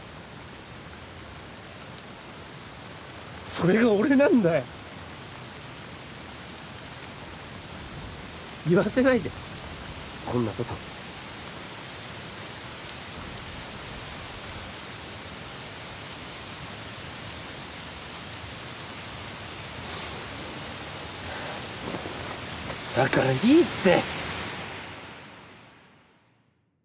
それが俺なんだよ言わせないでこんなことだからいいって！